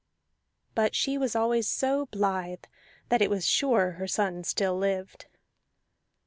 But she was always so blithe that it was sure her son still lived.